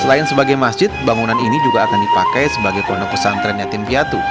selain sebagai masjid bangunan ini juga akan dipakai sebagai pondok pesantren yatim piatu